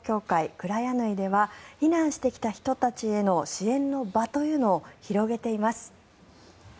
ＫＲＡＩＡＮＹでは避難してきた人たちへの支援の場というのを広げています。